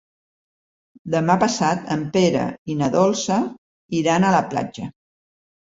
Demà passat en Pere i na Dolça iran a la platja.